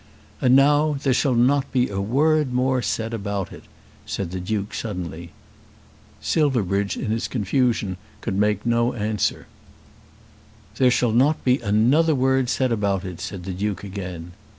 "And now there shall not be a word more said about it," said the Duke suddenly. Silverbridge in his confusion could make no answer. "There shall not be another word said about it," said the Duke again.